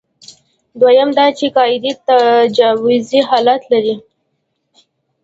دویم دا چې قاعدې تجویزي حالت لري.